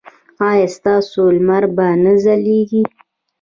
ایا ستاسو لمر به نه ځلیږي؟